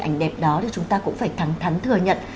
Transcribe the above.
ảnh đẹp đó thì chúng ta cũng phải thắng thắng thừa nhận